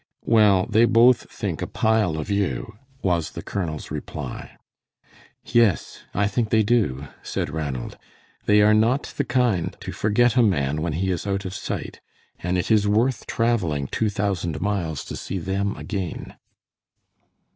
"Well, they both think a pile of you," was the colonel's reply. "Yes, I think they do," said Ranald. "They are not the kind to forget a man when he is out of sight, and it is worth traveling two thousand miles to see them again."